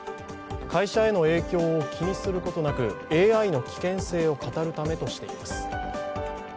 会社への影響を気にすることなく、ＡＩの危険性を語るためとしています。